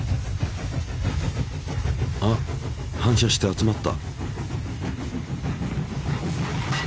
あ反射して集まった。